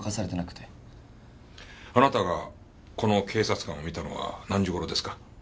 あなたがこの警察官を見たのは何時頃ですか？